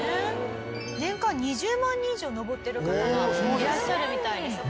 年間２０万人以上登ってる方がいらっしゃるみたいです。